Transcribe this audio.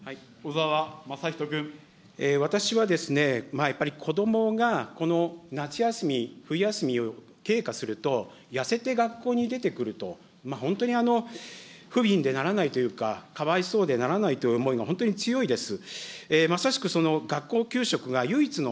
私はですね、やっぱり子どもがこの夏休み、冬休みを経過すると、痩せて学校に出てくると、本当に不びんでならないというか、かわいそうでならないという思いが本当に強いです。